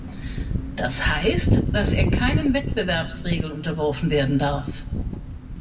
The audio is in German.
Das heißt, dass er keinen Wettbewerbsregeln unterworfen werden darf.